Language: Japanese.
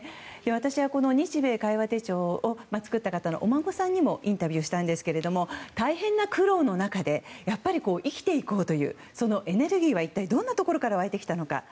私は、この「日米會話手帳」を作った方のお孫さんにもインタビューしたんですけども大変な苦労の中でやっぱり、生きていこうというそのエネルギーは一体どんなところから湧いてきたのか。